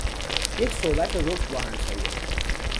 یک صحبت رک با همسایه